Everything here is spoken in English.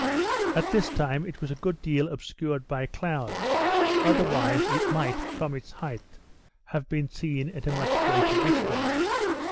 At this time it was a good deal obscured by clouds, otherwise it might, from its height, have been seen at a much greater distance.